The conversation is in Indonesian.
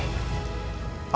cukup ya mas